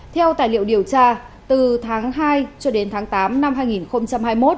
theo tài liệu điều tra từ tháng hai cho đến tháng tám năm hai nghìn hai mươi một